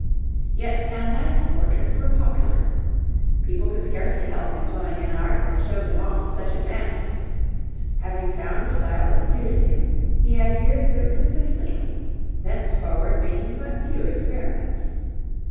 Yet Van Dyck's portraits were popular. People could scarcely help enjoying an art that showed them off to such advantage. Having found a style that suited him, he adhered to it consistently, thenceforward making but few experiments.